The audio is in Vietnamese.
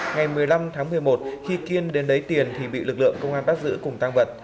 ngày một mươi năm tháng một mươi một khi kiên đến lấy tiền thì bị lực lượng công an bắt giữ cùng tăng vật